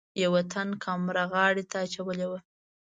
یوه تن کامره غاړې ته اچولې وه.